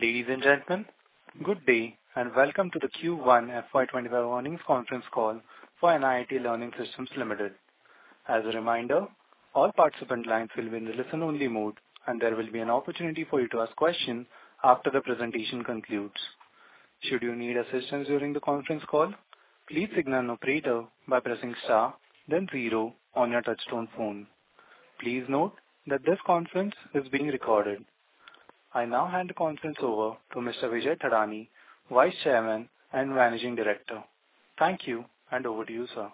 Ladies and gentlemen, good day and welcome to the Q1 FY25 Earnings Conference call for NIIT Learning Systems Limited. As a reminder, all participant lines will be in the listen-only mode, and there will be an opportunity for you to ask questions after the presentation concludes. Should you need assistance during the conference call, please signal an operator by pressing star, then zero on your touch-tone phone. Please note that this conference is being recorded. I now hand the conference over to Mr. Vijay Thadani, Vice Chairman and Managing Director. Thank you, and over to you, sir.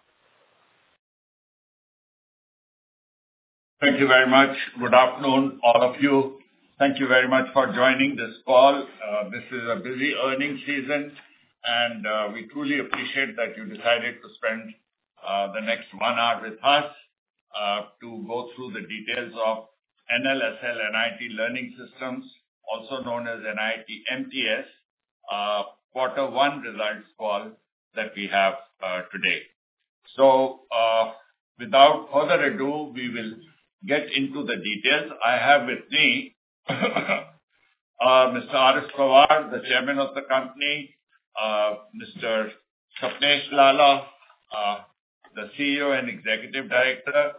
Thank you very much. Good afternoon, all of you. Thank you very much for joining this call. This is a busy earnings season, and we truly appreciate that you decided to spend the next one hour with us to go through the details of NLSL, NIIT Learning Systems, also known as NIIT MTS, Quarter One results call that we have today. Without further ado, we will get into the details. I have with me Mr. Rajendra Pawar, the Chairman of the company, Mr. Sapnesh Lalla, the CEO and Executive Director,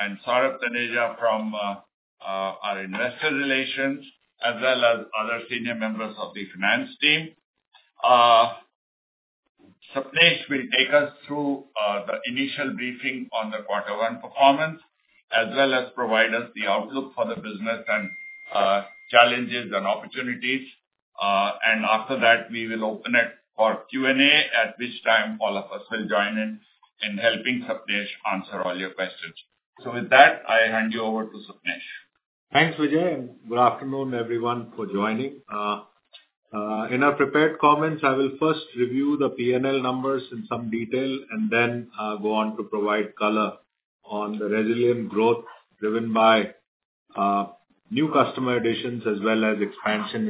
Mr. Sanjay Mal, the CFO, Kapil Saurabh from our Investor Relations, as well as other senior members of the finance team. Sapnesh will take us through the initial briefing on the Quarter One performance, as well as provide us the outlook for the business and challenges and opportunities. After that, we will open it for Q&A, at which time all of us will join in helping Sapnesh answer all your questions. With that, I hand you over to Sapnesh. Thanks, Vijay. And good afternoon, everyone, for joining. In our prepared comments, I will first review the P&L numbers in some detail and then go on to provide color on the resilient growth driven by new customer additions, as well as expansion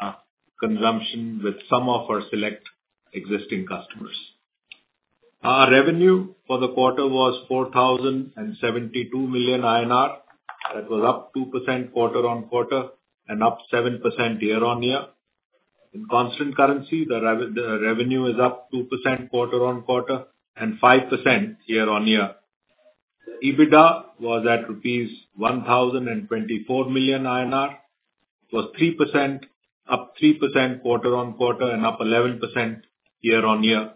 in consumption with some of our select existing customers. Our revenue for the quarter was 4,072 million INR. That was up 2% quarter-on-quarter and up 7% year-on-year. In constant currency, the revenue is up 2% quarter-on-quarter and 5% year-on-year. EBITDA was at rupees 1,024 million. It was up 3% quarter-on-quarter and up 11% year-on-year.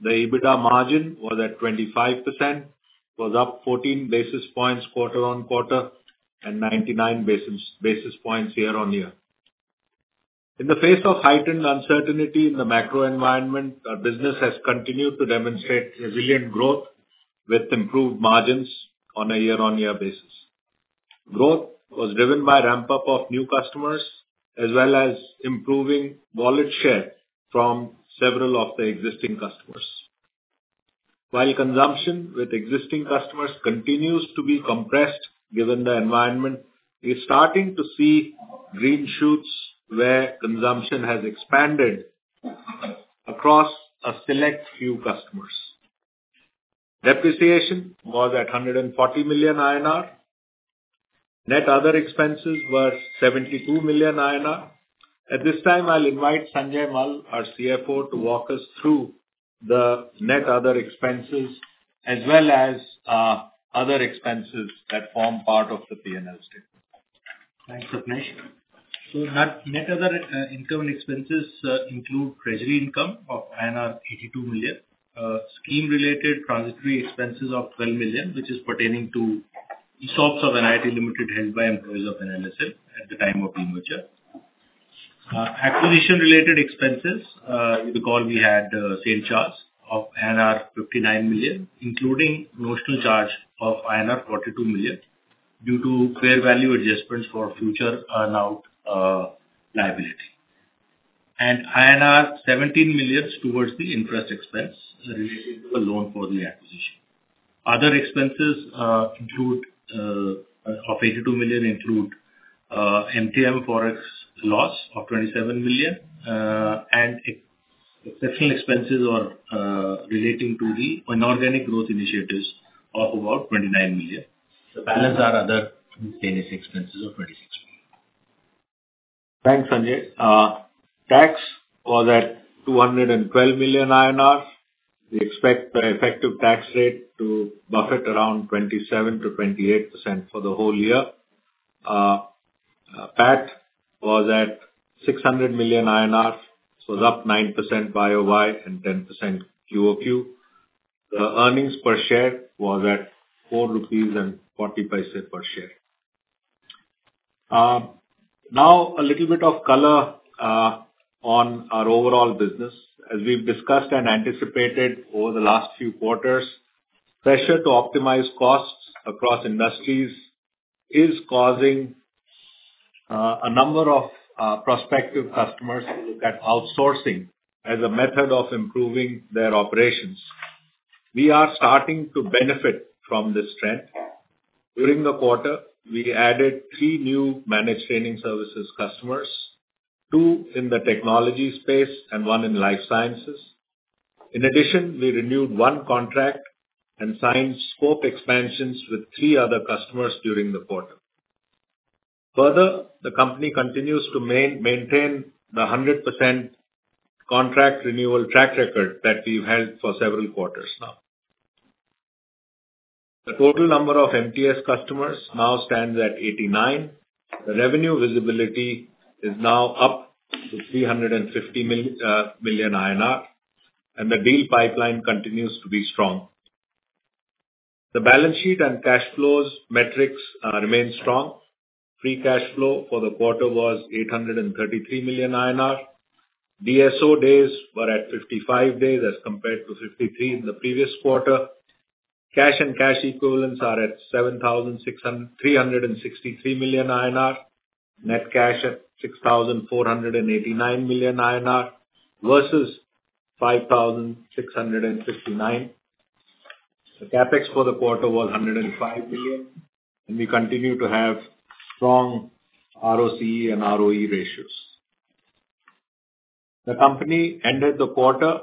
The EBITDA margin was at 25%, was up 14 basis points quarter-on-quarter and 99 basis points year-on-year. In the face of heightened uncertainty in the macro environment, our business has continued to demonstrate resilient growth with improved margins on a year-over-year basis. Growth was driven by ramp-up of new customers, as well as improving wallet share from several of the existing customers. While consumption with existing customers continues to be compressed, given the environment, we're starting to see green shoots where consumption has expanded across a select few customers. Depreciation was at 140 million INR. Net other expenses were 72 million INR. At this time, I'll invite Sanjay Mal, our CFO, to walk us through the net other expenses, as well as other expenses that form part of the P&L statement. Thanks, Sapnesh. So net other income and expenses include treasury income of INR 82 million, scheme-related transitory expenses of 12 million, which is pertaining to stocks of NIIT Limited held by employees of NLSL at the time of the merger. Acquisition-related expenses, you recall we had St. Charles of INR 59 million, including notional charge of INR 42 million due to fair value adjustments for future earn-out liability. And INR 17 million towards the interest expense related to a loan for the acquisition. Other expenses of 82 million include MTM Forex loss of 27 million and exceptional expenses relating to the inorganic growth initiatives of about 29 million. The balance are other expenses of 26 million. Thanks, Sanjay. Tax was at 212 million INR. We expect the effective tax rate to hover around 27%-28% for the whole year. PAT was at 600 million INR. This was up 9% YoY and 10% QoQ. The earnings per share was at ₹4.40 per share. Now, a little bit of color on our overall business. As we've discussed and anticipated over the last few quarters, pressure to optimize costs across industries is causing a number of prospective customers to look at outsourcing as a method of improving their operations. We are starting to benefit from this trend. During the quarter, we added three new managed training services customers, two in the technology space and one in life sciences. In addition, we renewed one contract and signed scope expansions with three other customers during the quarter. Further, the company continues to maintain the 100% contract renewal track record that we've held for several quarters now. The total number of MTS customers now stands at 89. The revenue visibility is now up to 350 million, and the deal pipeline continues to be strong. The balance sheet and cash flows metrics remain strong. Free cash flow for the quarter was 833 million INR. DSO days were at 55 days as compared to 53 in the previous quarter. Cash and cash equivalents are at 7,363 million INR. Net cash at 6,489 million INR versus 5,659 million. The CapEx for the quarter was 105 million, and we continue to have strong ROCE and ROE ratios. The company ended the quarter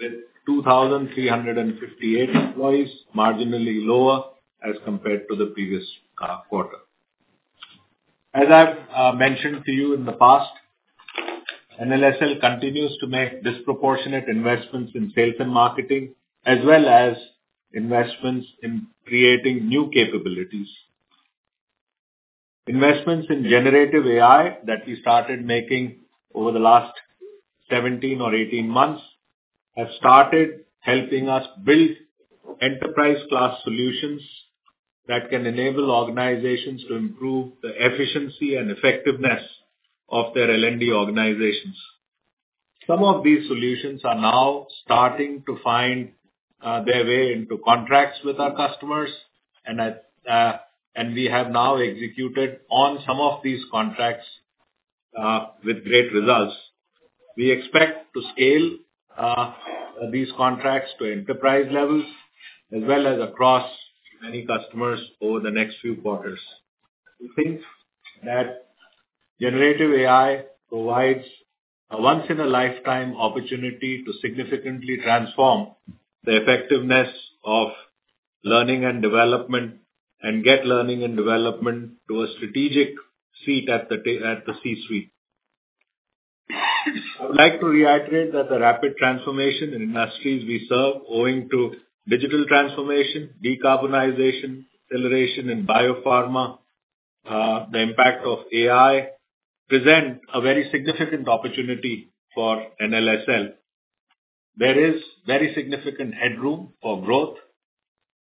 with 2,358 employees, marginally lower as compared to the previous quarter. As I've mentioned to you in the past, NLSL continues to make disproportionate investments in sales and marketing, as well as investments in creating new capabilities. Investments in Generative AI that we started making over the last 17 or 18 months have started helping us build enterprise-class solutions that can enable organizations to improve the efficiency and effectiveness of their L&D organizations. Some of these solutions are now starting to find their way into contracts with our customers, and we have now executed on some of these contracts with great results. We expect to scale these contracts to enterprise levels, as well as across many customers over the next few quarters. We think that Generative AI provides a once-in-a-lifetime opportunity to significantly transform the effectiveness of learning and development and get learning and development to a strategic seat at the C-suite. I would like to reiterate that the rapid transformation in industries we serve, owing to digital transformation, decarbonization, acceleration, and biopharma, the impact of AI presents a very significant opportunity for NLSL. There is very significant headroom for growth,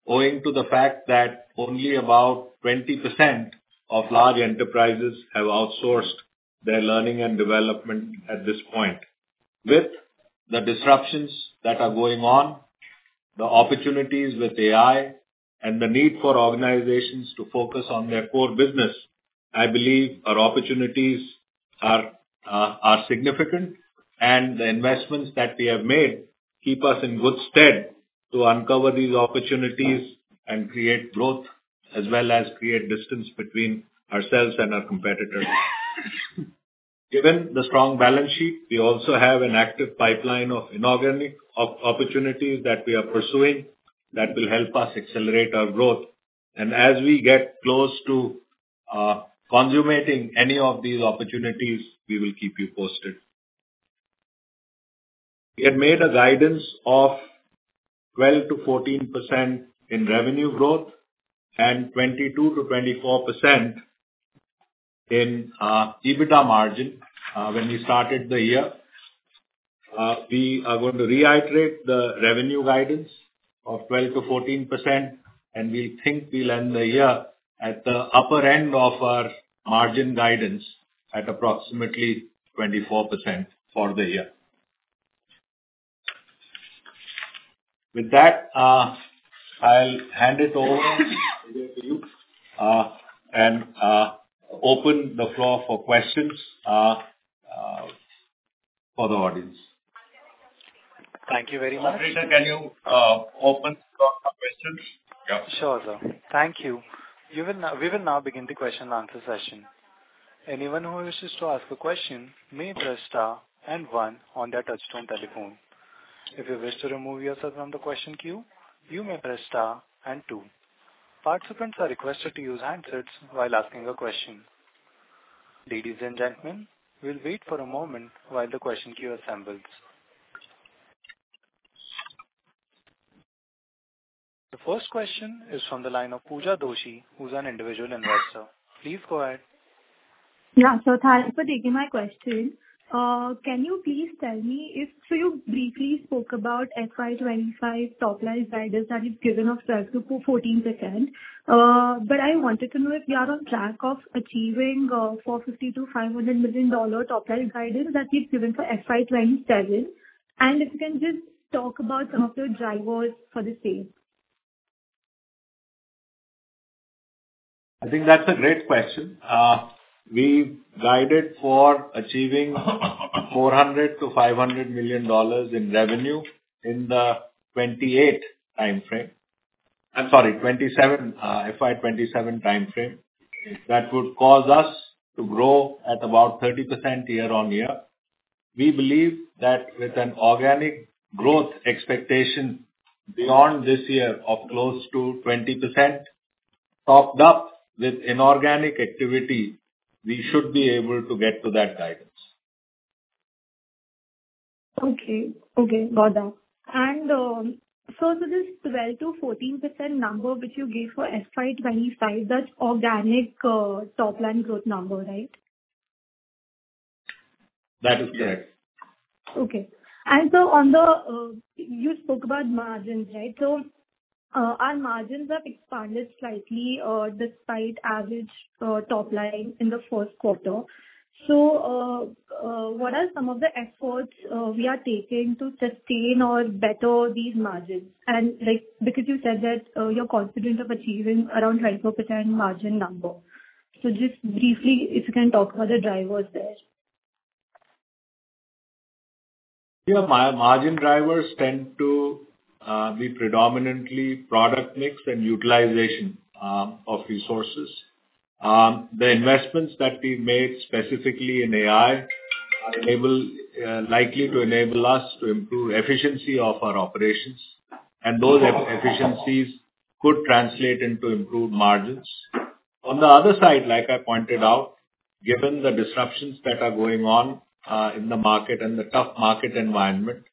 owing to the fact that only about 20% of large enterprises have outsourced their learning and development at this point. With the disruptions that are going on, the opportunities with AI, and the need for organizations to focus on their core business, I believe our opportunities are significant, and the investments that we have made keep us in good stead to uncover these opportunities and create growth, as well as create distance between ourselves and our competitors. Given the strong balance sheet, we also have an active pipeline of inorganic opportunities that we are pursuing that will help us accelerate our growth. As we get close to consummating any of these opportunities, we will keep you posted. We had made a guidance of 12%-14% in revenue growth and 22%-24% in EBITDA margin when we started the year. We are going to reiterate the revenue guidance of 12%-14%, and we think we'll end the year at the upper end of our margin guidance at approximately 24% for the year. With that, I'll hand it over to you and open the floor for questions for the audience. Thank you very much. Vijay, can you open the floor for questions? Sure, sir. Thank you. We will now begin the question-and-answer session. Anyone who wishes to ask a question may press star and one on their touch-tone telephone. If you wish to remove yourself from the question queue, you may press star and two. Participants are requested to use handsets while asking a question. Ladies and gentlemen, we'll wait for a moment while the question queue assembles. The first question is from the line of Pooja Doshi, who's an individual investor. Please go ahead. Yeah. So thanks for taking my question. Can you please tell me if so you briefly spoke about FY25 top-line guidance that you've given of 12%-14%, but I wanted to know if you are on track of achieving a $450 million-$500 million top-line guidance that you've given for FY27. And if you can just talk about some of the drivers for the same. I think that's a great question. We guided for achieving $400 million-$500 million in revenue in the 28 timeframe. I'm sorry, FY27 timeframe. That would cause us to grow at about 30% year-on-year. We believe that with an organic growth expectation beyond this year of close to 20%, topped up with inorganic activity, we should be able to get to that guidance. Okay. Okay. Got that. And so this 12%-14% number which you gave for FY25, that's organic top-line growth number, right? That is correct. Okay. And so you spoke about margins, right? So our margins have expanded slightly despite average top-line in the first quarter. So what are some of the efforts we are taking to sustain or better these margins? And because you said that you're confident of achieving around 24% margin number, so just briefly, if you can talk about the drivers there. Yeah. Margin drivers tend to be predominantly product mix and utilization of resources. The investments that we've made specifically in AI are likely to enable us to improve efficiency of our operations, and those efficiencies could translate into improved margins. On the other side, like I pointed out, given the disruptions that are going on in the market and the tough market environment,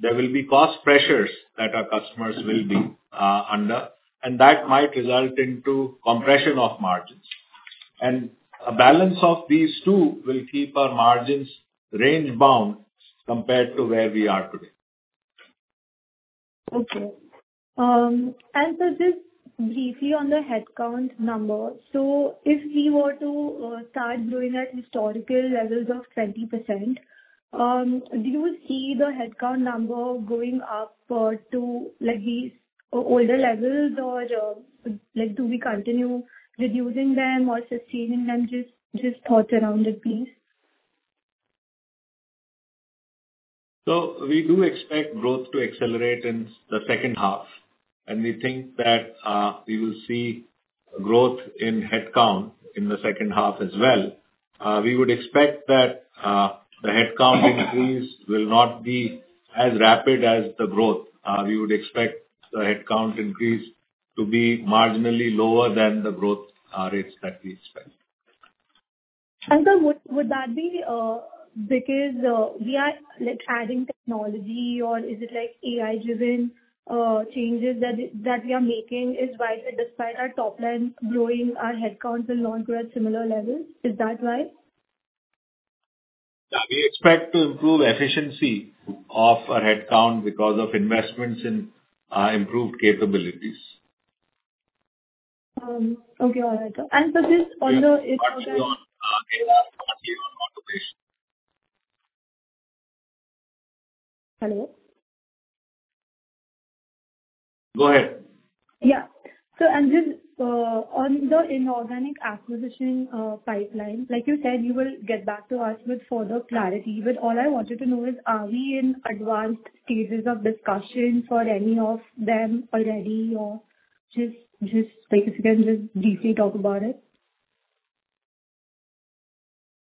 there will be cost pressures that our customers will be under, and that might result in compression of margins. A balance of these two will keep our margins range-bound compared to where we are today. Okay. Just briefly on the headcount number, so if we were to start growing at historical levels of 20%, do you see the headcount number going up to these older levels, or do we continue reducing them or sustaining them? Just thoughts around it, please. We do expect growth to accelerate in the second half, and we think that we will see growth in headcount in the second half as well. We would expect that the headcount increase will not be as rapid as the growth. We would expect the headcount increase to be marginally lower than the growth rates that we expect. Sir, would that be because we are adding technology, or is it like AI-driven changes that we are making? Is that why despite our top-line growing, our headcount will not grow at similar levels? Is that why? Yeah. We expect to improve efficiency of our headcount because of investments in improved capabilities. Okay. All right. So just on the. Not beyond AI, not beyond automation. Hello? Go ahead. Yeah. So on the inorganic acquisition pipeline, like you said, you will get back to us with further clarity. But all I wanted to know is, are we in advanced stages of discussion for any of them already, or just if you can just briefly talk about it?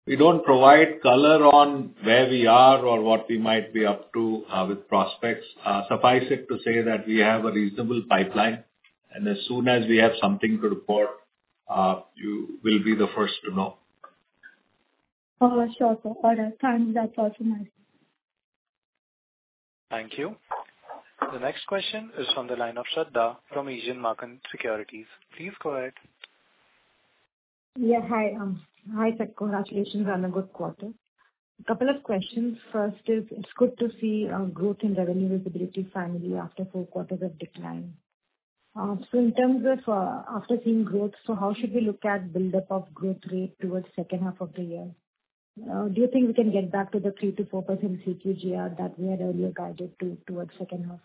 We don't provide color on where we are or what we might be up to with prospects. Suffice it to say that we have a reasonable pipeline, and as soon as we have something to report, you will be the first to know. Oh, sure. Thanks. That's awesome. Thank you. The next question is from the line of Shraddha from Asian Market Securities. Please go ahead. Yeah. Hi. Hi, sir. Congratulations on a good quarter. A couple of questions. First is, it's good to see growth in revenue visibility finally after 4 quarters of decline. So in terms of after seeing growth, so how should we look at buildup of growth rate towards second half of the year? Do you think we can get back to the 3%-4% CQGR that we had earlier guided to towards second half?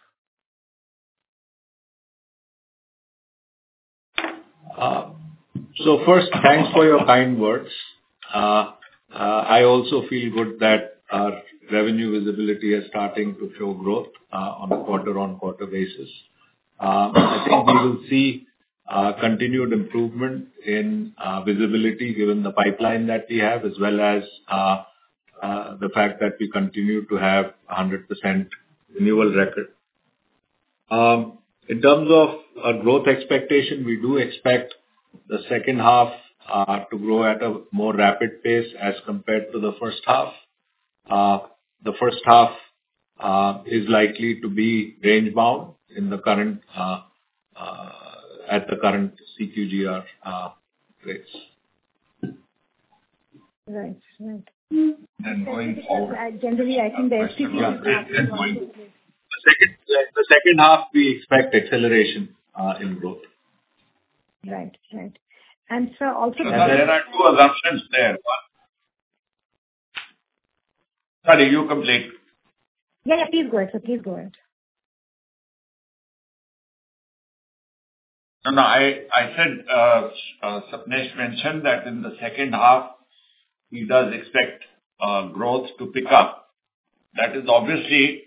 So first, thanks for your kind words. I also feel good that our revenue visibility is starting to show growth on a quarter-on-quarter basis. I think we will see continued improvement in visibility given the pipeline that we have, as well as the fact that we continue to have 100% renewal record. In terms of our growth expectation, we do expect the second half to grow at a more rapid pace as compared to the first half. The first half is likely to be range-bound at the current CQGR rates. Right. Right. And going forward. Generally, I think the first half is going to. The second half, we expect acceleration in growth. Right. Right. And sir, also. There are two assumptions there. Sorry, you complete. Yeah. Yeah. Please go ahead, sir. Please go ahead. No, no. I said Sapnesh mentioned that in the second half, he does expect growth to pick up. That is obviously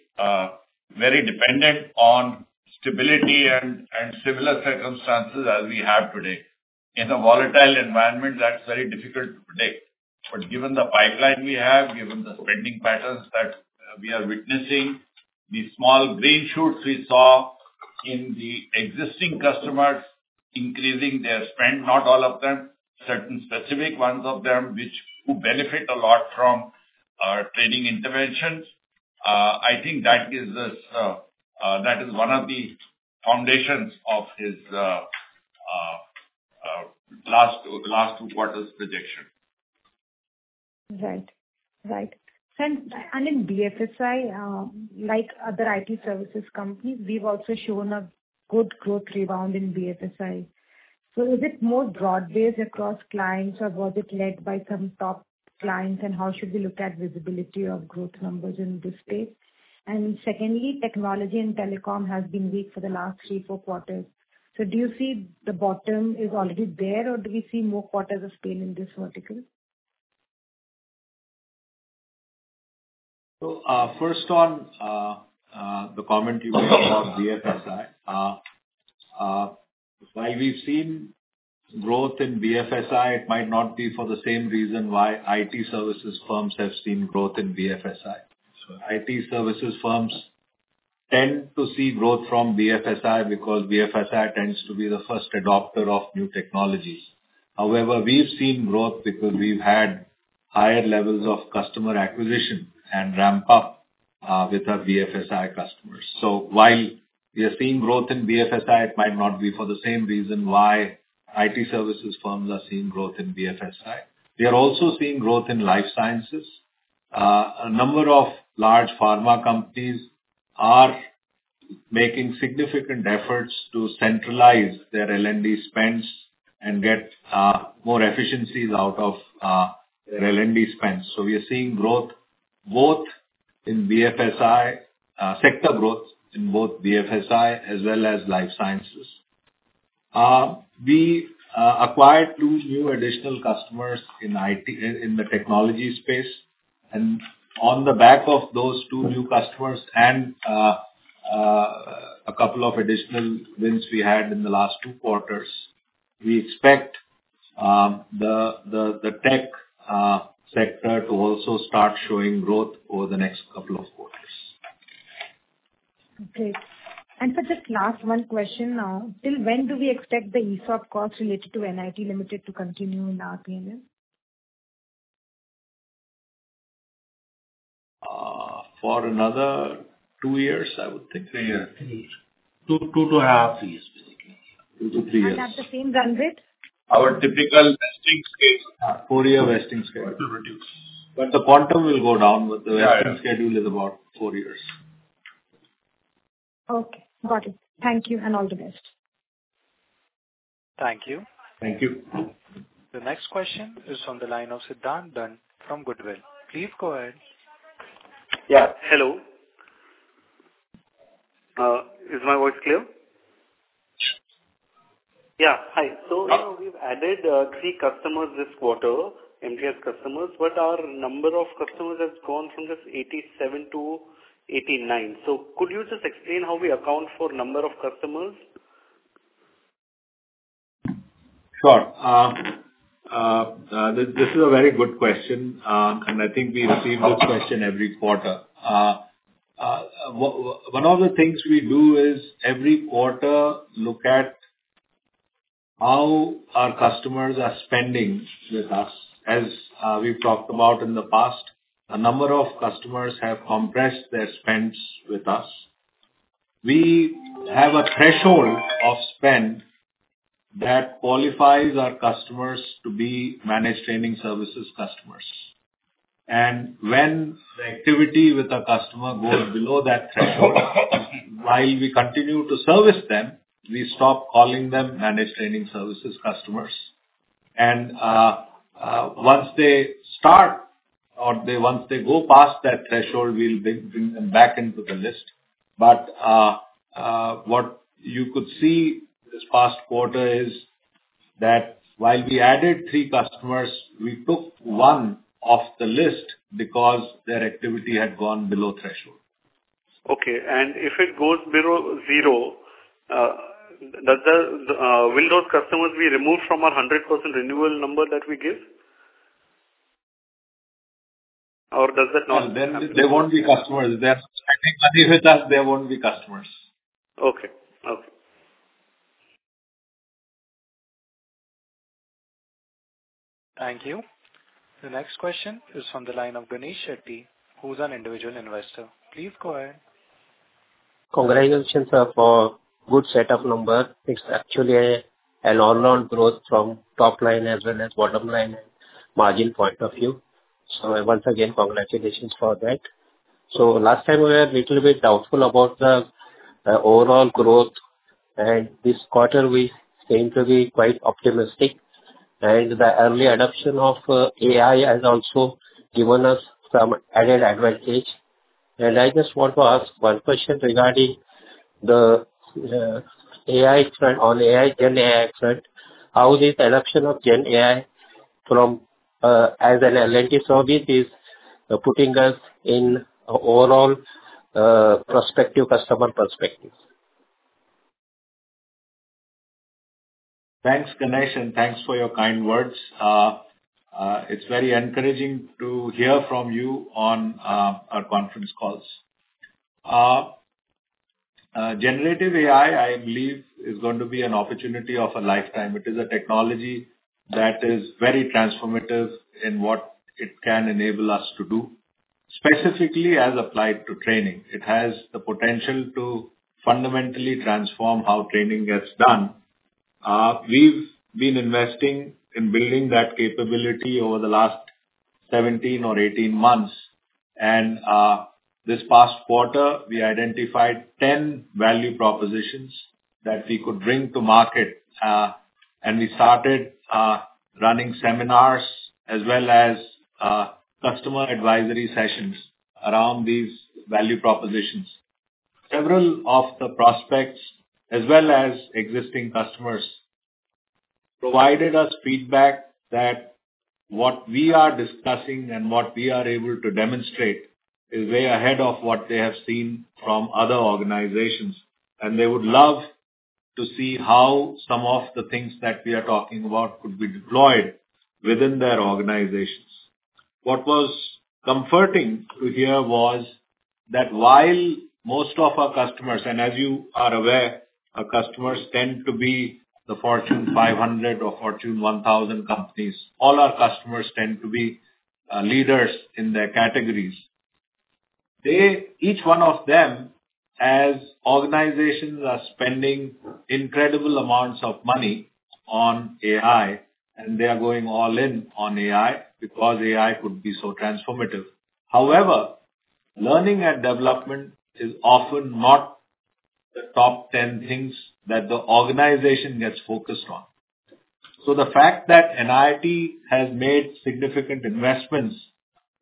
very dependent on stability and similar circumstances as we have today. In a volatile environment, that's very difficult to predict. But given the pipeline we have, given the spending patterns that we are witnessing, the small green shoots we saw in the existing customers increasing their spend, not all of them, certain specific ones of them which benefit a lot from training interventions, I think that is one of the foundations of his last two quarters projection. Right. Right. And in BFSI, like other IT services companies, we've also shown a good growth rebound in BFSI. So is it more broad-based across clients, or was it led by some top clients, and how should we look at visibility of growth numbers in this space? And secondly, technology and telecom has been weak for the last three, four quarters. So do you see the bottom is already there, or do we see more quarters of pain in this vertical? So first on the comment you made about BFSI, while we've seen growth in BFSI, it might not be for the same reason why IT services firms have seen growth in BFSI. So IT services firms tend to see growth from BFSI because BFSI tends to be the first adopter of new technologies. However, we've seen growth because we've had higher levels of customer acquisition and ramp-up with our BFSI customers. So while we are seeing growth in BFSI, it might not be for the same reason why IT services firms are seeing growth in BFSI. We are also seeing growth in life sciences. A number of large pharma companies are making significant efforts to centralize their L&D spends and get more efficiencies out of their L&D spends. So we are seeing growth in BFSI, sector growth in both BFSI as well as life sciences. We acquired 2 new additional customers in the technology space, and on the back of those 2 new customers and a couple of additional wins we had in the last 2 quarters, we expect the tech sector to also start showing growth over the next couple of quarters. Okay. And for just last one question now, till when do we expect the ESOP cost related to NIIT Limited to continue in P&L? For another 2 years, I would think. 2-2.5 years, basically. 2-3 years. At the same run rate? Our typical vesting schedule, four-year vesting schedule. But the quantum will go down, but the vesting schedule is about four years. Okay. Got it. Thank you, and all the best. Thank you. Thank you. The next question is from the line of Siddhant Dand from Goodwill. Please go ahead. Yeah. Hello. Is my voice clear? Yeah. Hi. So we've added 3 customers this quarter, MTS customers, but our number of customers has gone from just 87 to 89. So could you just explain how we account for number of customers? Sure. This is a very good question, and I think we receive this question every quarter. One of the things we do is every quarter look at how our customers are spending with us. As we've talked about in the past, a number of customers have compressed their spends with us. We have a threshold of spend that qualifies our customers to be managed training services customers. And when the activity with a customer goes below that threshold, while we continue to service them, we stop calling them managed training services customers. And once they start or once they go past that threshold, we'll bring them back into the list. But what you could see this past quarter is that while we added three customers, we took one off the list because their activity had gone below threshold. Okay. If it goes below zero, will those customers be removed from our 100% renewal number that we give, or does that not? Well, they won't be customers. I think with us, they won't be customers. Okay. Okay. Thank you. The next question is from the line of Ganesh Shetty, who's an individual investor. Please go ahead. Congratulations for a good set of numbers. It's actually an all-round growth from top-line as well as bottom-line margin point of view. So once again, congratulations for that. So last time, we were a little bit doubtful about the overall growth, and this quarter, we seem to be quite optimistic. And the early adoption of AI has also given us some added advantage. And I just want to ask one question regarding the AI trend on AI, Gen AI trend. How is the adoption of Gen AI as an L&D service putting us in overall prospective customer perspective? Thanks, Ganesh. Thanks for your kind words. It's very encouraging to hear from you on our conference calls. Generative AI, I believe, is going to be an opportunity of a lifetime. It is a technology that is very transformative in what it can enable us to do, specifically as applied to training. It has the potential to fundamentally transform how training gets done. We've been investing in building that capability over the last 17 or 18 months. And this past quarter, we identified 10 value propositions that we could bring to market, and we started running seminars as well as customer advisory sessions around these value propositions. Several of the prospects, as well as existing customers, provided us feedback that what we are discussing and what we are able to demonstrate is way ahead of what they have seen from other organizations, and they would love to see how some of the things that we are talking about could be deployed within their organizations. What was comforting to hear was that while most of our customers, and as you are aware, our customers tend to be the Fortune 500 or Fortune 1000 companies, all our customers tend to be leaders in their categories. Each one of them, as organizations are spending incredible amounts of money on AI, and they are going all in on AI because AI could be so transformative. However, learning and development is often not the top 10 things that the organization gets focused on. So the fact that NIIT has made significant investments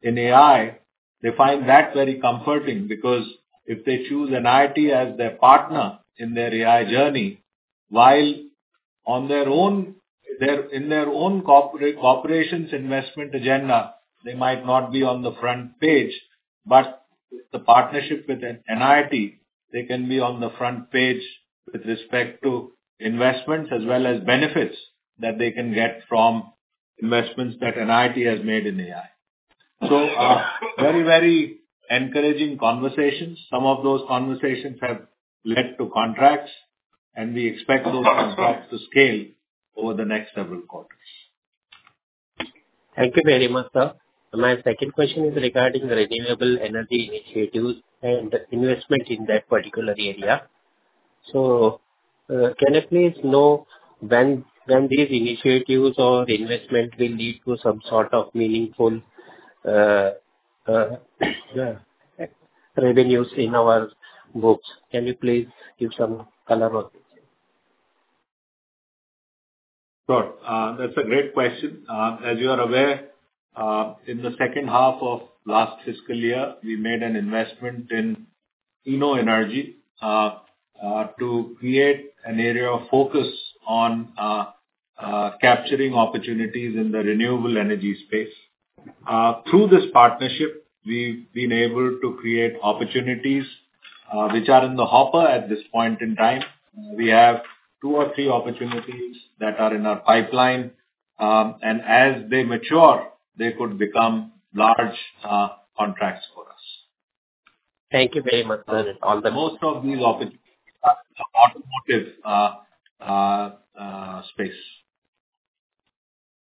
in AI, they find that very comforting because if they choose NIIT as their partner in their AI journey, while in their own corporations' investment agenda, they might not be on the front page, but with the partnership with NIIT, they can be on the front page with respect to investments as well as benefits that they can get from investments that NIIT has made in AI. So very, very encouraging conversations. Some of those conversations have led to contracts, and we expect those contracts to scale over the next several quarters. Thank you very much, sir. My second question is regarding the renewable energy initiatives and investment in that particular area. Can I please know when these initiatives or investment will lead to some sort of meaningful revenues in our books? Can you please give some color on it? Sure. That's a great question. As you are aware, in the second half of last fiscal year, we made an investment in EIT InnoEnergy to create an area of focus on capturing opportunities in the renewable energy space. Through this partnership, we've been able to create opportunities which are in the hopper at this point in time. We have two or three opportunities that are in our pipeline, and as they mature, they could become large contracts for us. Thank you very much, sir. All the best. Most of these opportunities are in the automotive space.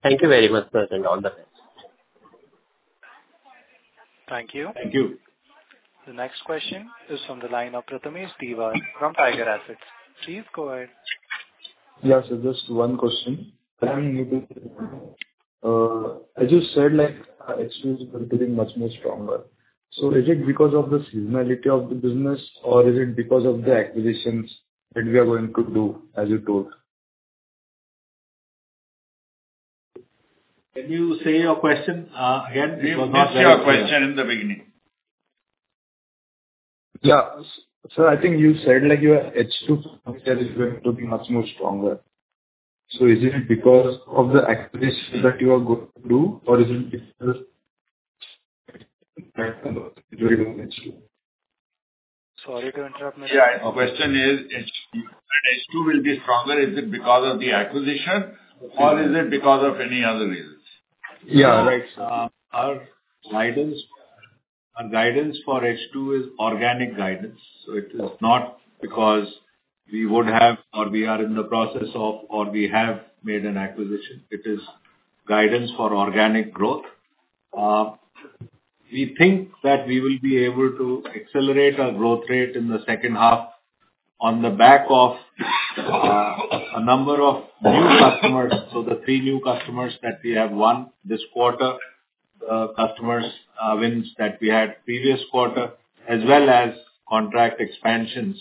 Thank you very much, sir, and all the best. Thank you. Thank you. The next question is from the line of Prathamesh Dhiwar from Tiger Assets. Please go ahead. Yeah, sir, just one question. As you said, exchange is getting much more stronger. So is it because of the seasonality of the business, or is it because of the acquisitions that we are going to do as you told? Can you say your question again? It was not very clear. You asked your question in the beginning. Yeah. So I think you said your exchange is going to be much more stronger. So is it because of the acquisition that you are going to do, or is it because of exchange? Sorry to interrupt. Yeah. My question is, when exchange will be stronger, is it because of the acquisition, or is it because of any other reasons? Yeah, right. Our guidance for exchange is organic guidance. So it is not because we would have, or we are in the process of, or we have made an acquisition. It is guidance for organic growth. We think that we will be able to accelerate our growth rate in the second half on the back of a number of new customers. So the three new customers that we have won this quarter, the customers' wins that we had previous quarter, as well as contract expansions,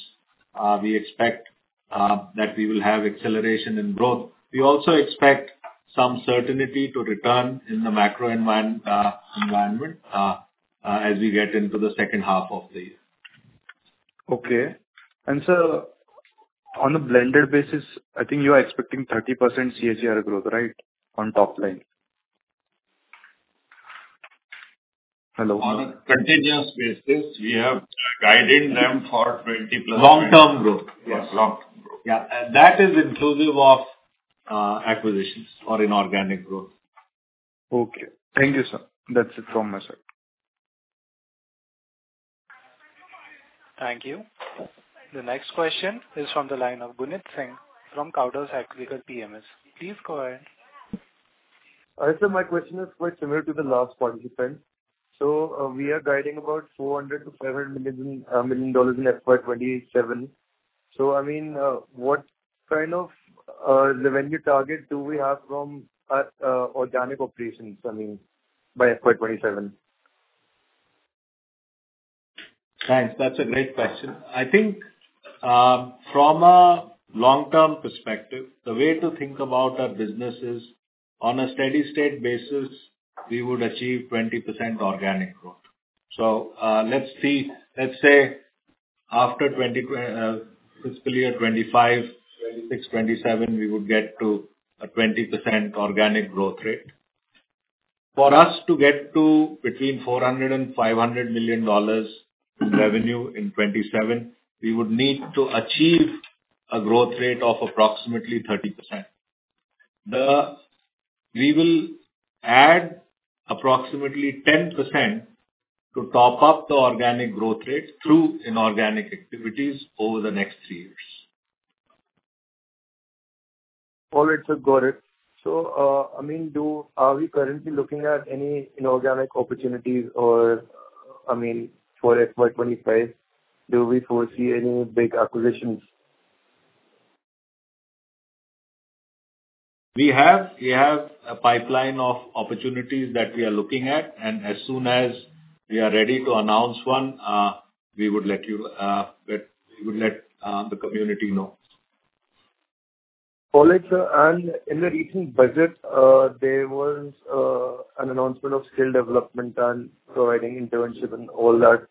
we expect that we will have acceleration in growth. We also expect some certainty to return in the macro environment as we get into the second half of the year. Okay. And so, on a blended basis, I think you are expecting 30% CAGR growth, right, on top-line? Hello? On a continuous basis, we have guided them for 20+. Long-term growth. Yes, long-term growth. Yeah. That is inclusive of acquisitions or inorganic growth. Okay. Thank you, sir. That's it from my side. Thank you. The next question is from the line of Gunit Singh from Counter Cyclical PMS. Please go ahead. Actually, my question is quite similar to the last participant. So we are guiding about $400 million-$500 million in FY27. So, I mean, what kind of revenue target do we have from organic operations, I mean, by FY27? Thanks. That's a great question. I think from a long-term perspective, the way to think about our business is, on a steady-state basis, we would achieve 20% organic growth. So let's say after fiscal year 2025, 2026, 2027, we would get to a 20% organic growth rate. For us to get to between $400 million and $500 million in revenue in 2027, we would need to achieve a growth rate of approximately 30%. We will add approximately 10% to top up the organic growth rate through inorganic activities over the next three years. All right. So got it. So, I mean, are we currently looking at any inorganic opportunities or, I mean, for FY25, do we foresee any big acquisitions? We have a pipeline of opportunities that we are looking at, and as soon as we are ready to announce one, we would let the community know. All right. In the recent budget, there was an announcement of skill development and providing internships and all that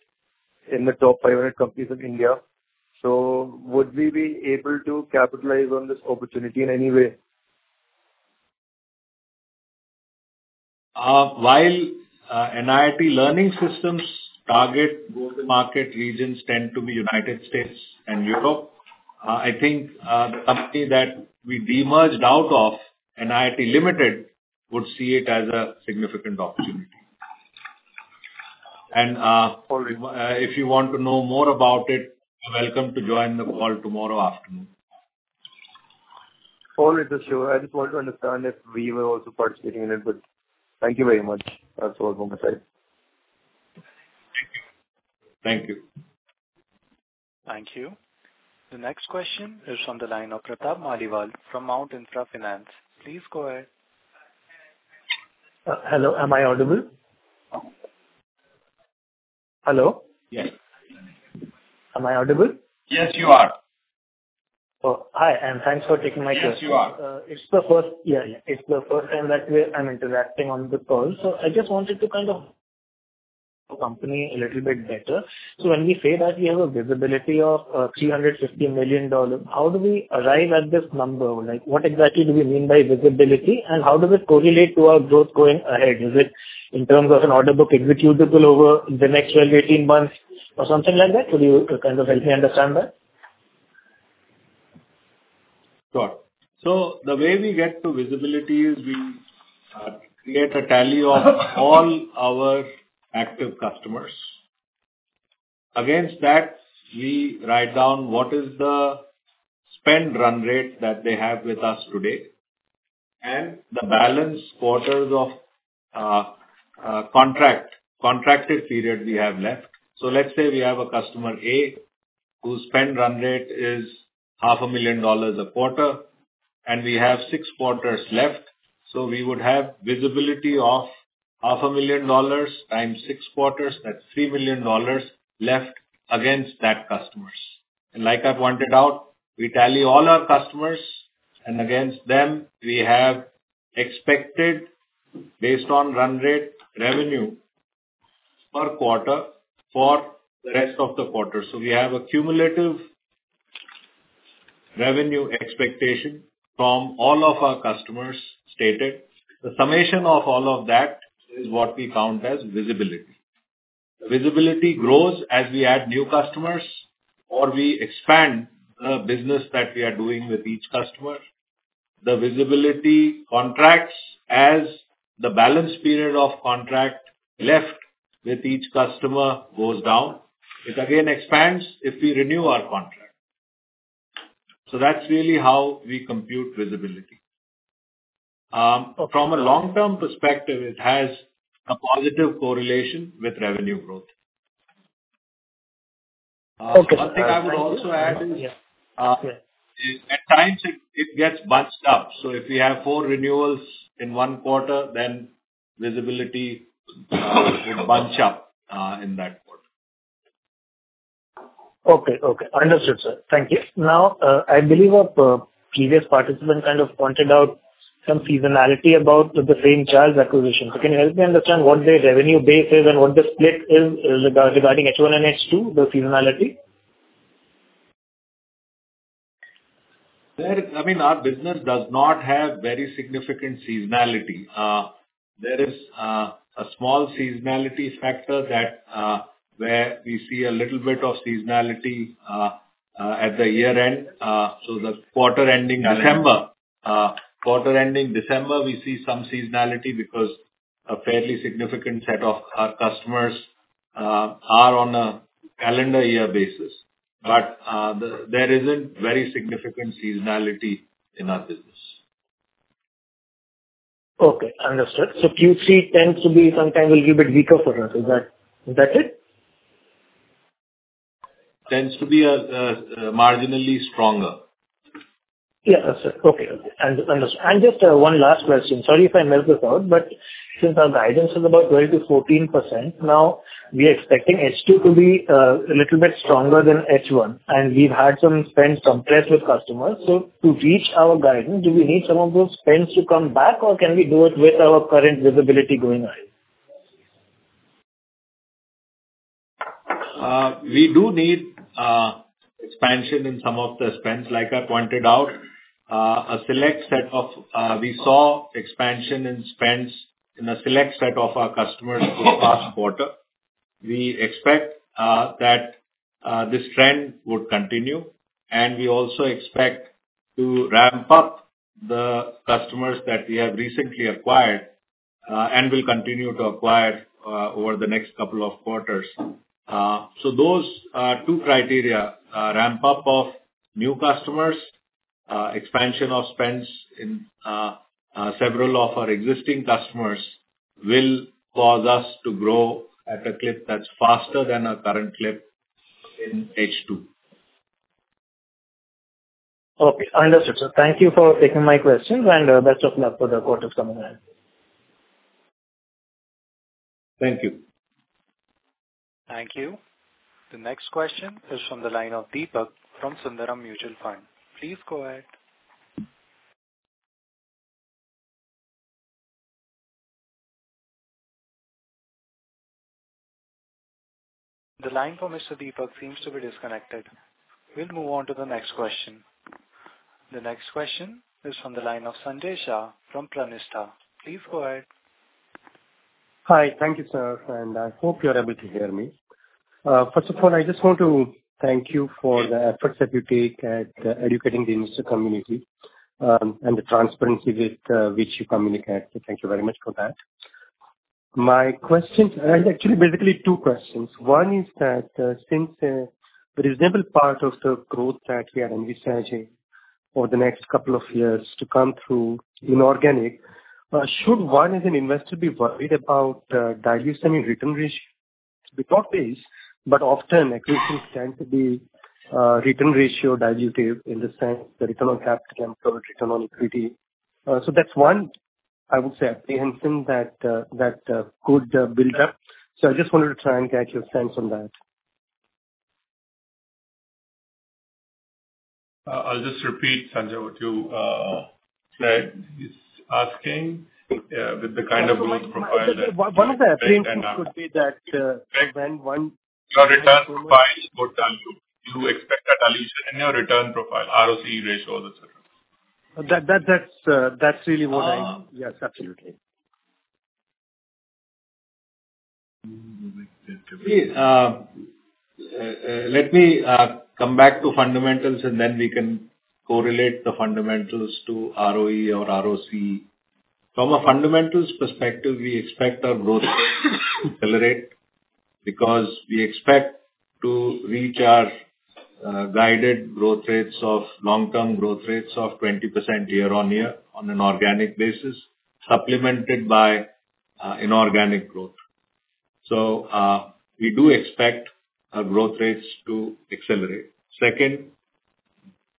in the top 500 companies in India. Would we be able to capitalize on this opportunity in any way? While NIIT Learning Systems target growth market regions tend to be United States and Europe, I think the company that we demerged out of, NIIT Limited, would see it as a significant opportunity. If you want to know more about it, you're welcome to join the call tomorrow afternoon. All right. Sir, I just want to understand if we were also participating in it, but thank you very much, sir. Thank you. Thank you. Thank you. The next question is from the line of Pratap Maliwal from Mount Intra Finance. Please go ahead. Hello. Am I audible? Hello? Yes. Am I audible? Yes, you are. Oh, hi. Thanks for taking my call. Yes, you are. It's the first, yeah, yeah. It's the first time that I'm interacting on the call. So I just wanted to kind of understand the company a little bit better. So when we say that we have a visibility of $350 million, how do we arrive at this number? What exactly do we mean by visibility, and how does it correlate to our growth going ahead? Is it in terms of an order book executable over the next 12-18 months or something like that? Could you kind of help me understand that? Sure. So the way we get to visibility is we create a tally of all our active customers. Against that, we write down what is the spend run rate that they have with us today and the balance quarters of contracted period we have left. So let's say we have a customer A whose spend run rate is $500,000 a quarter, and we have six quarters left. So we would have visibility of $500,000 times six quarters. That's $3 million left against that customers. And like I pointed out, we tally all our customers, and against them, we have expected based on run rate revenue per quarter for the rest of the quarter. So we have a cumulative revenue expectation from all of our customers stated. The summation of all of that is what we count as visibility. Visibility grows as we add new customers or we expand the business that we are doing with each customer. The visibility contracts as the balance period of contract left with each customer goes down. It again expands if we renew our contract. So that's really how we compute visibility. From a long-term perspective, it has a positive correlation with revenue growth. One thing I would also add is, at times, it gets bunched up. So if we have four renewals in one quarter, then visibility would bunch up in that quarter. Okay. Okay. Understood, sir. Thank you. Now, I believe a previous participant kind of pointed out some seasonality about the same charge acquisition. So can you help me understand what the revenue base is and what the split is regarding H1 and H2, the seasonality? I mean, our business does not have very significant seasonality. There is a small seasonality factor where we see a little bit of seasonality at the year-end. So the quarter ending December, quarter ending December, we see some seasonality because a fairly significant set of our customers are on a calendar year basis. But there isn't very significant seasonality in our business. Okay. Understood. So Q3 tends to be sometimes a little bit weaker for us. Is that it? Tends to be marginally stronger. Yeah, sir. Okay. Okay. And just one last question. Sorry if I messed this out, but since our guidance is about 12%-14%, now we are expecting H2 to be a little bit stronger than H1, and we've had some spend conflict with customers. So to reach our guidance, do we need some of those spends to come back, or can we do it with our current visibility going ahead? We do need expansion in some of the spends, like I pointed out. A select set of we saw expansion in spends in a select set of our customers for the past quarter. We expect that this trend would continue, and we also expect to ramp up the customers that we have recently acquired and will continue to acquire over the next couple of quarters. So those two criteria: ramp up of new customers, expansion of spends in several of our existing customers will cause us to grow at a clip that's faster than our current clip in H2. Okay. Understood. Thank you for taking my questions, and best of luck for the quarter coming ahead. Thank you. Thank you. The next question is from the line of Deepak from Sundaram Mutual Fund. Please go ahead. The line for Mr. Deepak seems to be disconnected. We'll move on to the next question. The next question is from the line of Sanjay Shah from Pranistha. Please go ahead. Hi. Thank you, sir. I hope you're able to hear me. First of all, I just want to thank you for the efforts that you take at educating the industry community and the transparency with which you communicate. Thank you very much for that. My question is actually basically two questions. One is that since the reasonable part of the growth that we are envisaging for the next couple of years to come through in organic, should one as an investor be worried about dilution in return ratio? We talk this, but often acquisitions tend to be return ratio dilutive in the sense that return on capital and return on equity. So that's one, I would say, apprehension that could build up. I just wanted to try and get your sense on that. I'll just repeat, Sanjay, what you said. He's asking with the kind of growth profile that. One of the apprehensions would be that when one. Your return profile would tell you. You expect a dilution in your return profile, ROC ratios, etc. That's really what I. Yes, absolutely. Let me come back to fundamentals, and then we can correlate the fundamentals to ROE or ROC. From a fundamentals perspective, we expect our growth rate to accelerate because we expect to reach our guided growth rates of long-term growth rates of 20% year-on-year on an organic basis, supplemented by inorganic growth. So we do expect our growth rates to accelerate. Second,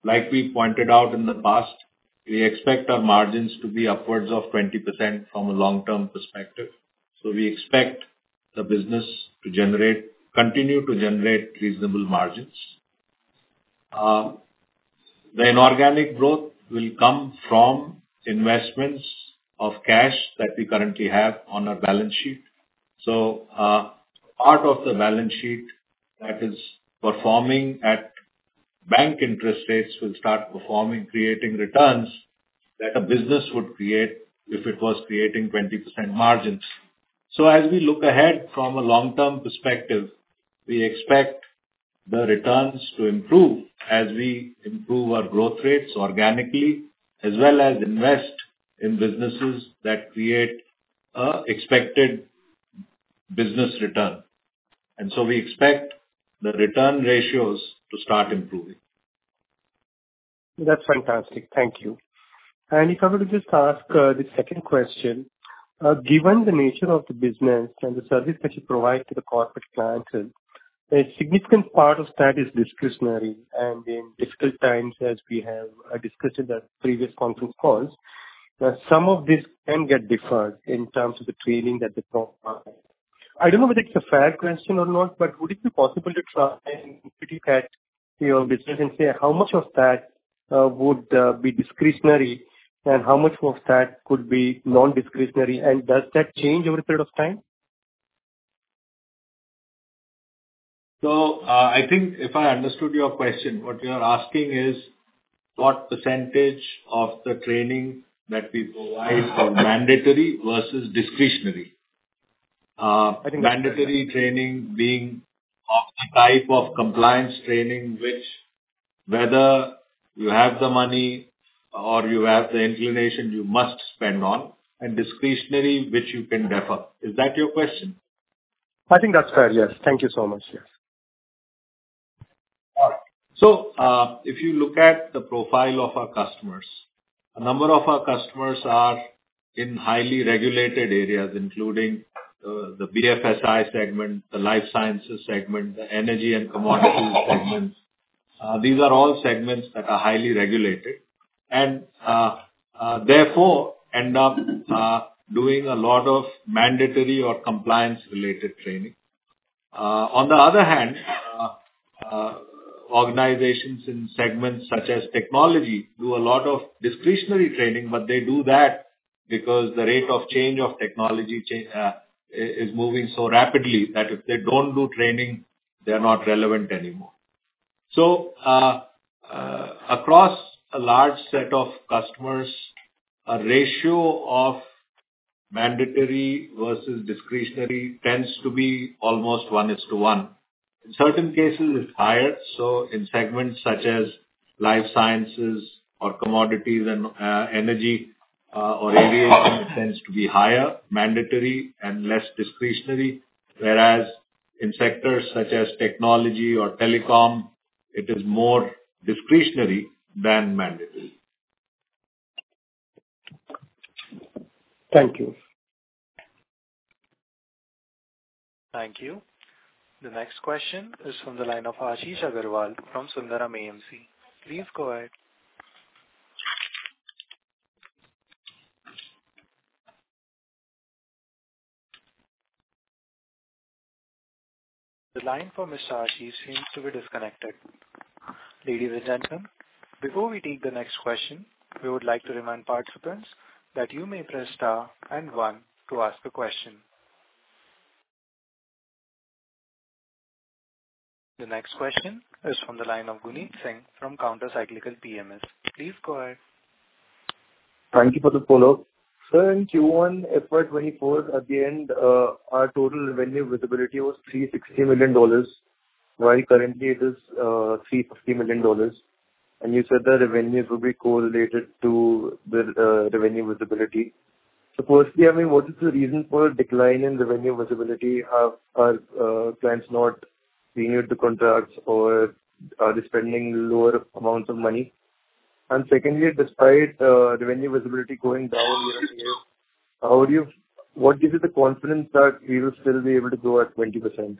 like we pointed out in the past, we expect our margins to be upwards of 20% from a long-term perspective. So we expect the business to continue to generate reasonable margins. The inorganic growth will come from investments of cash that we currently have on our balance sheet. So part of the balance sheet that is performing at bank interest rates will start performing, creating returns that a business would create if it was creating 20% margins. As we look ahead from a long-term perspective, we expect the returns to improve as we improve our growth rates organically, as well as invest in businesses that create an expected business return. We expect the return ratios to start improving. That's fantastic. Thank you. And if I were to just ask the second question, given the nature of the business and the service that you provide to the corporate clientele, a significant part of that is discretionary. And in difficult times, as we have discussed in the previous conference calls, some of this can get deferred in terms of the training that they provide. I don't know whether it's a fair question or not, but would it be possible to try and look at your business and say how much of that would be discretionary and how much of that could be non-discretionary? And does that change over a period of time? I think if I understood your question, what you're asking is what percentage of the training that we provide is mandatory versus discretionary. Mandatory training being of the type of compliance training which, whether you have the money or you have the inclination, you must spend on, and discretionary, which you can defer. Is that your question? I think that's fair. Yes. Thank you so much. Yes. So if you look at the profile of our customers, a number of our customers are in highly regulated areas, including the BFSI segment, the life sciences segment, the energy and commodities segments. These are all segments that are highly regulated and therefore end up doing a lot of mandatory or compliance-related training. On the other hand, organizations in segments such as technology do a lot of discretionary training, but they do that because the rate of change of technology is moving so rapidly that if they don't do training, they're not relevant anymore. So across a large set of customers, a ratio of mandatory versus discretionary tends to be almost 1:1. In certain cases, it's higher. In segments such as life sciences or commodities and energy or aviation, it tends to be higher, mandatory and less discretionary, whereas in sectors such as technology or telecom, it is more discretionary than mandatory. Thank you. Thank you. The next question is from the line of Ashish Agarwal from Sundaram AMC. Please go ahead. The line for Ms. Ashish seems to be disconnected. Ladies and gentlemen, before we take the next question, we would like to remind participants that you may press star and one to ask a question. The next question is from the line of Gunit Singh from Counter Cyclical PMS. Please go ahead. Thank you for the follow-up. So in Q1, FY24, at the end, our total revenue visibility was $360 million, while currently it is $350 million. And you said the revenues would be correlated to the revenue visibility. So firstly, I mean, what is the reason for a decline in revenue visibility? Are clients not renewing the contracts, or are they spending lower amounts of money? And secondly, despite revenue visibility going down year-on-year, what gives you the confidence that we will still be able to grow at 20%?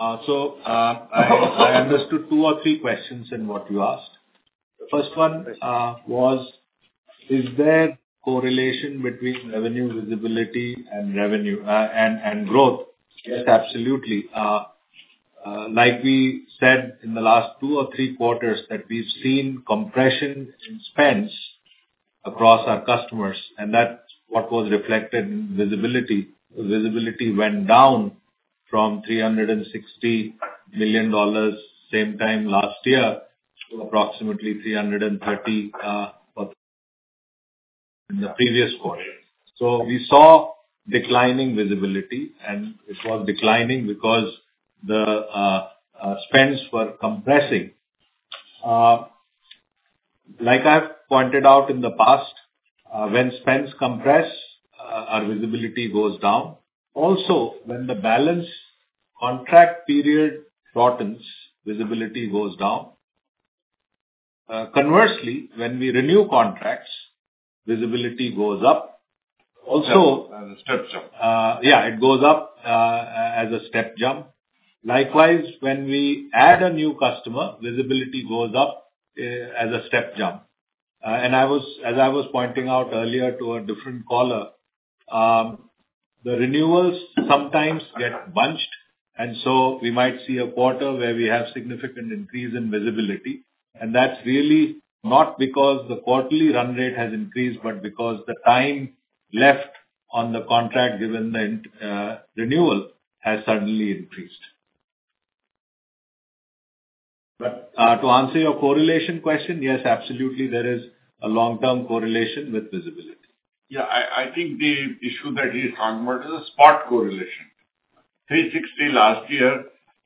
So I understood two or three questions in what you asked. The first one was, is there correlation between revenue visibility and growth? Yes, absolutely. Like we said in the last two or three quarters, that we've seen compression in spends across our customers, and that's what was reflected in visibility. Visibility went down from $360 million same time last year to approximately $330 in the previous quarter. So we saw declining visibility, and it was declining because the spends were compressing. Like I've pointed out in the past, when spends compress, our visibility goes down. Also, when the balance contract period shortens, visibility goes down. Conversely, when we renew contracts, visibility goes up. Also. As a step jump. Yeah, it goes up as a step jump. Likewise, when we add a new customer, visibility goes up as a step jump. And as I was pointing out earlier to a different caller, the renewals sometimes get bunched, and so we might see a quarter where we have significant increase in visibility. And that's really not because the quarterly run rate has increased, but because the time left on the contract given the renewal has suddenly increased. But to answer your correlation question, yes, absolutely, there is a long-term correlation with visibility. Yeah, I think the issue that he's talking about is a spot correlation. $360 last year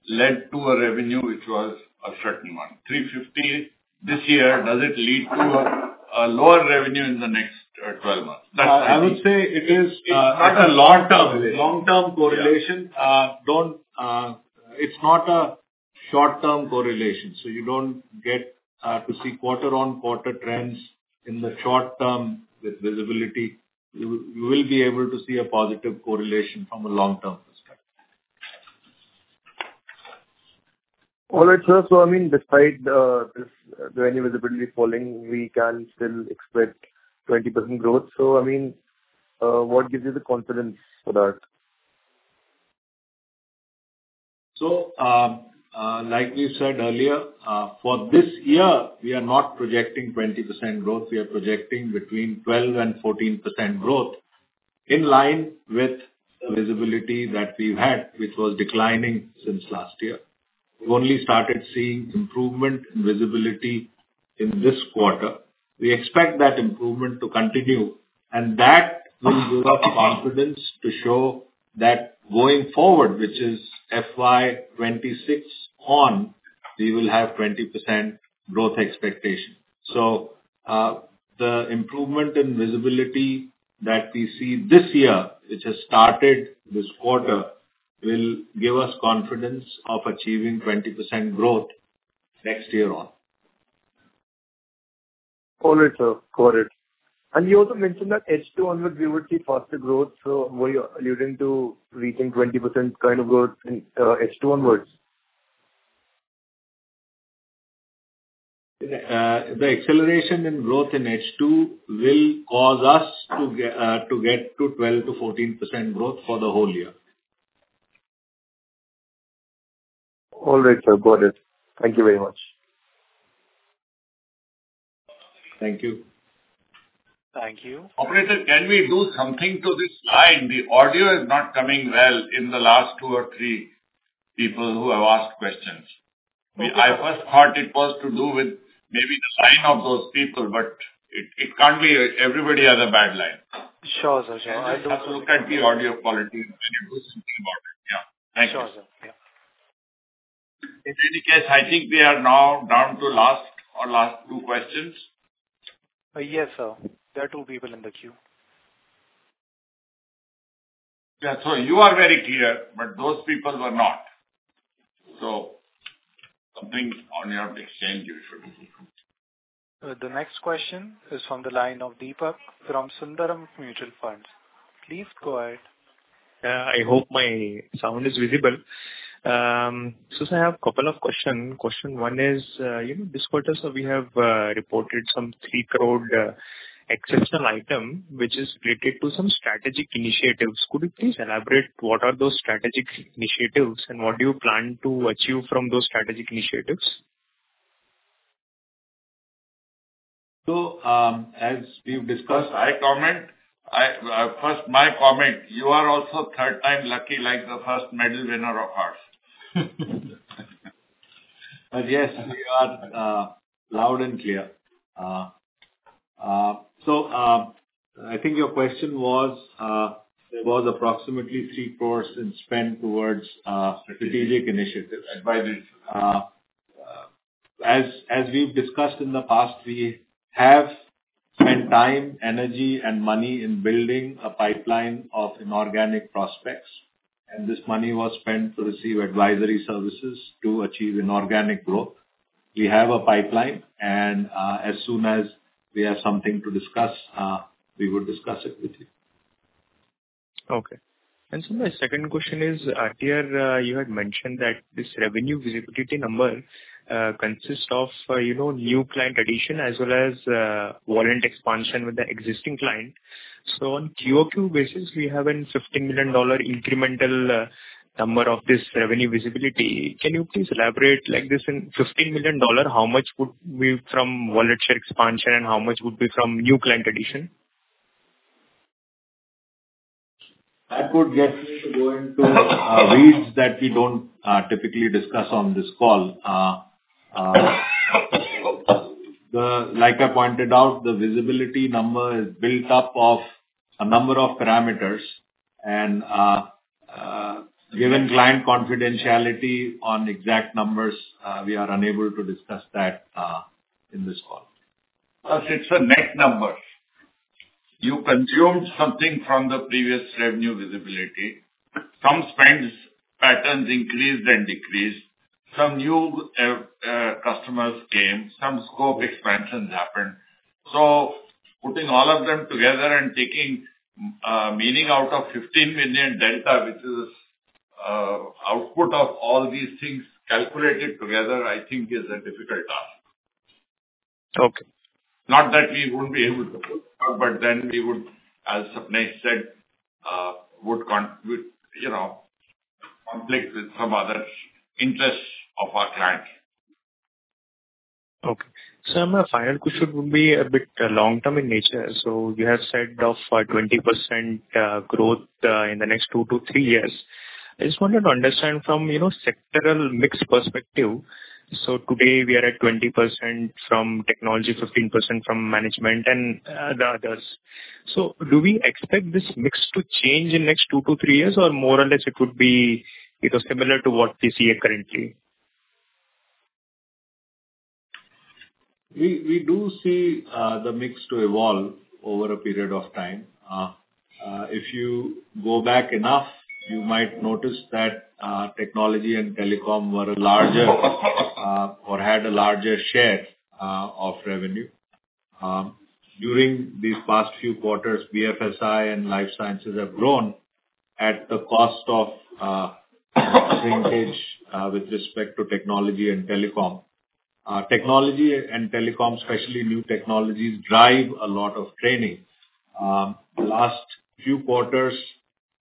led to a revenue which was a certain one. $350 this year, does it lead to a lower revenue in the next 12 months? I would say it is not a long-term correlation. It's not a short-term correlation. So you don't get to see quarter-on-quarter trends in the short term with visibility. You will be able to see a positive correlation from a long-term perspective. All right, sir. So I mean, despite the revenue visibility falling, we can still expect 20% growth. So I mean, what gives you the confidence for that? So like we said earlier, for this year, we are not projecting 20% growth. We are projecting between 12% and 14% growth in line with the visibility that we've had, which was declining since last year. We only started seeing improvement in visibility in this quarter. We expect that improvement to continue, and that will give us confidence to show that going forward, which is FY26 on, we will have 20% growth expectation. So the improvement in visibility that we see this year, which has started this quarter, will give us confidence of achieving 20% growth next year on. All right, sir. Got it. And you also mentioned that H2 onwards, we would see faster growth. So were you alluding to reaching 20% kind of growth in H2 onwards? The acceleration in growth in H2 will cause us to get to 12%-14% growth for the whole year. All right, sir. Got it. Thank you very much. Thank you. Thank you. Operator, can we do something to this line? The audio is not coming well in the last two or three people who have asked questions. I first thought it was to do with maybe the line of those people, but it can't be. Everybody has a bad line. Sure, sir. I'll have to look at the audio quality and do something about it. Yeah. Thank you. Sure, sir. Yeah. In any case, I think we are now down to last or last two questions. Yes, sir. There are two people in the queue. Yeah. You are very clear, but those people were not. Something on your exchange, you should. The next question is from the line of Deepak from Sundaram Mutual Funds. Please go ahead. Yeah, I hope my sound is visible. So I have a couple of questions. Question one is, this quarter, so we have reported some three-quarter exceptional item, which is related to some strategic initiatives. Could you please elaborate what are those strategic initiatives and what do you plan to achieve from those strategic initiatives? So as we've discussed, I comment first, my comment, you are also third time lucky like the first medal winner of ours. But yes, we are loud and clear. So I think your question was there was approximately three-quarters in spend towards strategic initiatives. As we've discussed in the past, we have spent time, energy, and money in building a pipeline of inorganic prospects, and this money was spent to receive advisory services to achieve inorganic growth. We have a pipeline, and as soon as we have something to discuss, we will discuss it with you. Okay. And so my second question is, dear, you had mentioned that this revenue visibility number consists of new client addition as well as wallet expansion with the existing client. So on QoQ basis, we have a $15 million incremental number of this revenue visibility. Can you please elaborate like this in $15 million, how much would be from wallet share expansion and how much would be from new client addition? I could just go into weeds that we don't typically discuss on this call. Like I pointed out, the visibility number is built up of a number of parameters, and given client confidentiality on exact numbers, we are unable to discuss that in this call. But it's a net number. You consumed something from the previous revenue visibility. Some spend patterns increased and decreased. Some new customers came. Some scope expansions happened. So putting all of them together and taking meaning out of 15 million delta, which is the output of all these things calculated together, I think is a difficult task. Not that we wouldn't be able to do, but then we would, as Nate said, would conflict with some other interests of our client. Okay. So my final question would be a bit long-term in nature. So you have said of 20% growth in the next 2-3 years. I just wanted to understand from sectoral mix perspective. So today we are at 20% from technology, 15% from management, and the others. So do we expect this mix to change in the next 2-3 years, or more or less it would be similar to what we see currently? We do see the mix to evolve over a period of time. If you go back enough, you might notice that technology and telecom were larger or had a larger share of revenue. During these past few quarters, BFSI and life sciences have grown at the cost of shrinkage with respect to technology and telecom. Technology and telecom, especially new technologies, drive a lot of training. Last few quarters,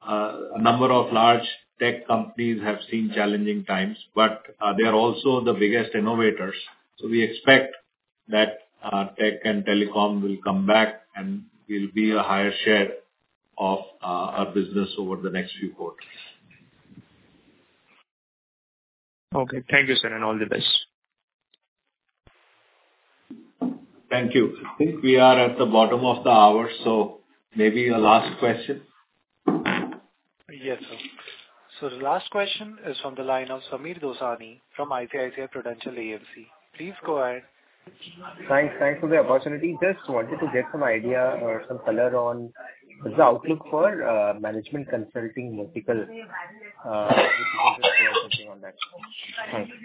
a number of large tech companies have seen challenging times, but they are also the biggest innovators. So we expect that tech and telecom will come back and will be a higher share of our business over the next few quarters. Okay. Thank you, sir, and all the best. Thank you. I think we are at the bottom of the hour, so maybe a last question. Yes, sir. So the last question is from the line of Sameer Dosani from ICICI Prudential AMC. Please go ahead. Thanks for the opportunity. Just wanted to get some idea or some color on the outlook for management consulting vertical. Thank you.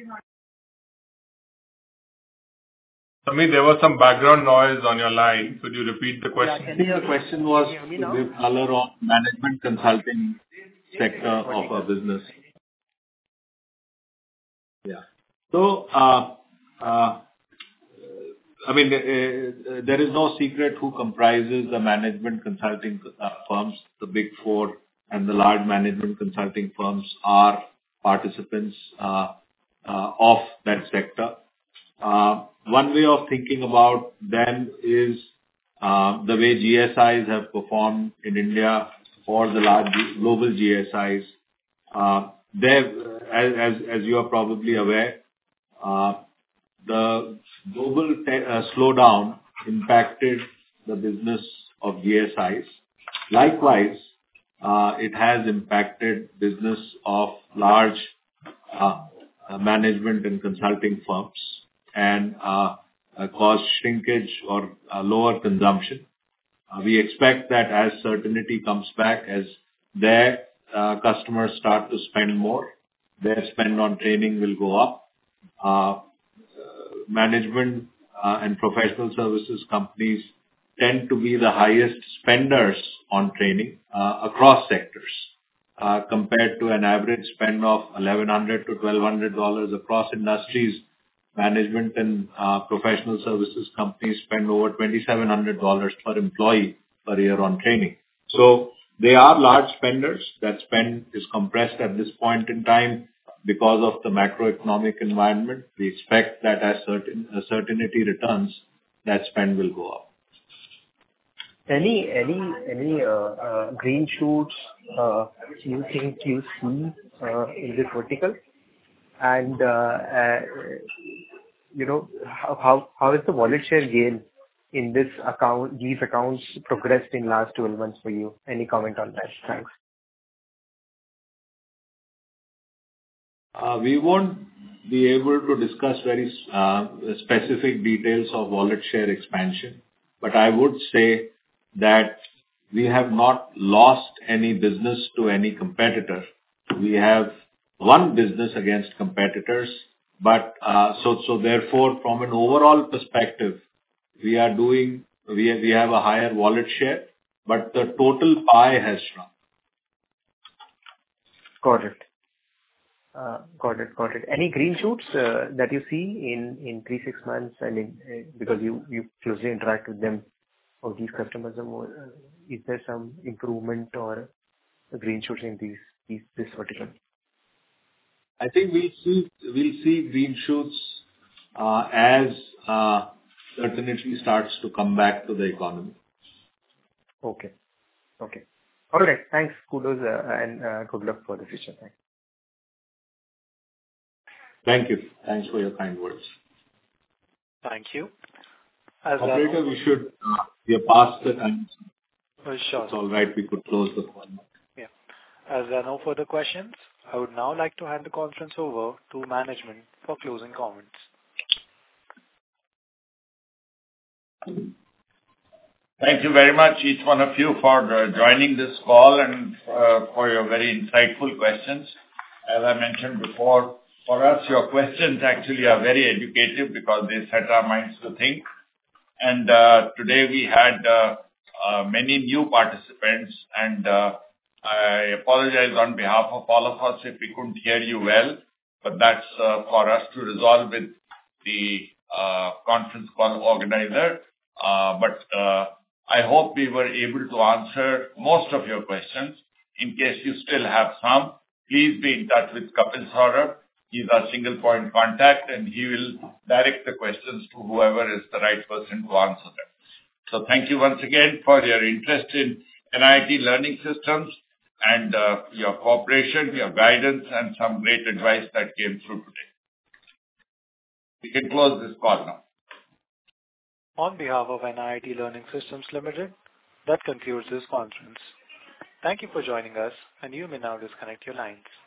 Sameer, there was some background noise on your line. Could you repeat the question? I think the question was to give color on management consulting sector of our business. Yeah. So I mean, there is no secret who comprises the management consulting firms. The Big Four and the large management consulting firms are participants of that sector. One way of thinking about them is the way GSIs have performed in India for the global GSIs. As you are probably aware, the global slowdown impacted the business of GSIs. Likewise, it has impacted the business of large management and consulting firms and caused shrinkage or lower consumption. We expect that as certainty comes back, as their customers start to spend more, their spend on training will go up. Management and professional services companies tend to be the highest spenders on training across sectors compared to an average spend of $1,100-$1,200 across industries. Management and professional services companies spend over $2,700 per employee per year on training. So they are large spenders. That spend is compressed at this point in time because of the macroeconomic environment. We expect that as certainty returns, that spend will go up. Any green shoots you think you see in this vertical? How has the wallet share gained in these accounts progressed in the last 12 months for you? Any comment on that? Thanks. We won't be able to discuss very specific details of market share expansion, but I would say that we have not lost any business to any competitor. We have won business against competitors. So therefore, from an overall perspective, we have a higher market share, but the total pie has shrunk. Got it. Got it. Got it. Any green shoots that you see in 3-6 months because you closely interact with them or these customers? Is there some improvement or green shoots in this vertical? I think we'll see green shoots as certainty starts to come back to the economy. Okay. Okay. All right. Thanks. Kudos and good luck for the future. Thanks. Thank you. Thanks for your kind words. Thank you. Operator, we should be past the time. Sure. It's all right. We could close the call now. Yeah. As there are no further questions, I would now like to hand the conference over to management for closing comments. Thank you very much, each one of you, for joining this call and for your very insightful questions. As I mentioned before, for us, your questions actually are very educative because they set our minds to think. Today we had many new participants, and I apologize on behalf of all of us if we couldn't hear you well, but that's for us to resolve with the conference call organizer. I hope we were able to answer most of your questions. In case you still have some, please be in touch with Kapil Saurabh. He's our single point contact, and he will direct the questions to whoever is the right person to answer them. Thank you once again for your interest in NIIT Learning Systems and your cooperation, your guidance, and some great advice that came through today. We can close this call now. On behalf of NIIT Learning Systems Limited, that concludes this conference. Thank you for joining us, and you may now disconnect your lines.